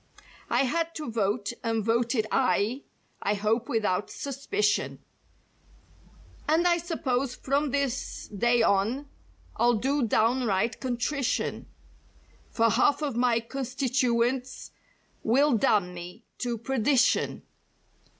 "I had to vote and voted 'aye'—I hope without suspicion— "And I suppose from this day on I'll do downright contrition, "For half of my constituents will damn me to perdi¬ tion.